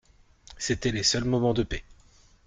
C'étaient les seuls moments de paix.